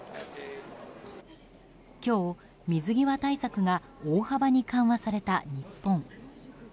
今日、水際対策が大幅に緩和された日本。